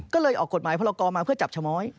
ก็เลยออกกฎหมายพลกรมาเพื่อจับชะม้อย